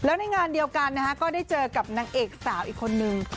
แล้วในงานเดียวกันนะฮะก็ได้เจอกับนางเอกสาวอีกคนนึง